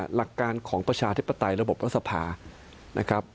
หลักการของประชาธิปไตรระบบอักษภา